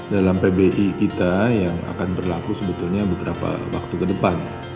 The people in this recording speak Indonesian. dalam pbi kita yang akan berlaku sebetulnya beberapa waktu ke depan